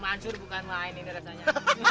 mancur bukan main ini rasanya